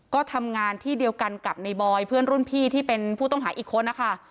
ก็ทำงานที่เดียวกันกับในบอยเพื่อนรุ่นพี่ที่เป็นผู้ต้องหาอีกคนนะคะ